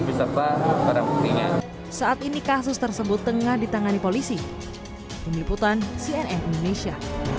beserta perempuannya saat ini kasus tersebut tengah ditangani polisi peniputan cnm indonesia